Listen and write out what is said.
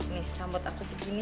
nih rambut aku begini